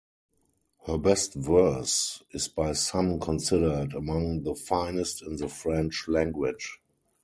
Her best verse is by some considered among the finest in the French language.